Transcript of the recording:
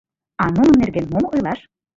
А нунын нерген мом ойлаш?